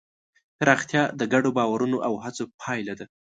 پراختیا د ګډو باورونو او هڅو پایله ده.